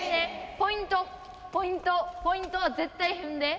ポイント、ポイント、ポイントは絶対踏んで。